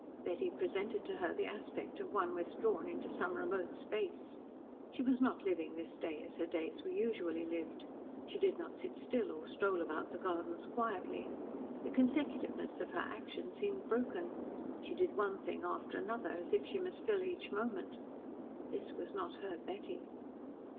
Betty presented to her the aspect of one withdrawn into some remote space. She was not living this day as her days were usually lived. She did not sit still or stroll about the gardens quietly. The consecutiveness of her action seemed broken. She did one thing after another, as if she must fill each moment. This was not her Betty.